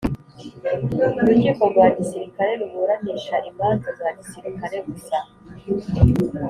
Urukiko rwa Gisirikare ruburanisha imanza zagisirikare gusa